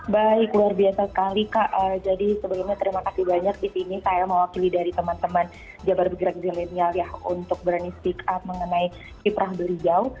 baik luar biasa sekali kak jadi sebelumnya terima kasih banyak di sini saya mewakili dari teman teman jabar bergerak zilenial ya untuk berani speak up mengenai kiprah beliau